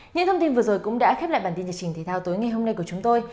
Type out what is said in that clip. những thông tin vừa rồi cũng đã khép lại bản tin nhật trình thể thao tối ngày hôm nay của chúng tôi